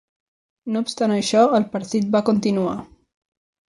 No obstant això, el partit va continuar.